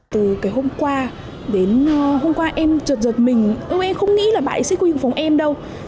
từ cái hôm qua đến hôm qua em trợt trợt mình em không nghĩ là bà ấy sẽ quyền phòng em đâu